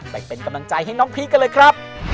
ไปเป็นกำลังใจให้น้องพีคกันเลยครับ